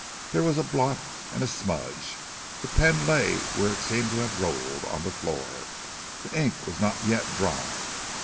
There was a blot and a smudge. The pen lay where it seemed to have rolled on the floor. The ink was not yet dry.